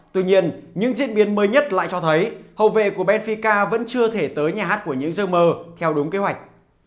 tuy nhiên những diễn biến mới nhất lại cho thấy hậu vệ của benfica vẫn chưa thể tới nhà hát của những giơ mơ theo đúng kế hoạch